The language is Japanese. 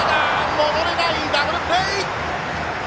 戻れない、ダブルプレー！